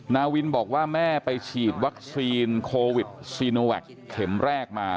นาวินบอกว่าแม่ไปฉีดวัคซีนโควิดซีโนแวคเข็มแรกมา